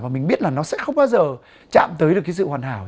và mình biết là nó sẽ không bao giờ chạm tới được cái sự hoàn hảo